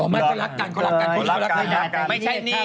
ไม่ใช่นี่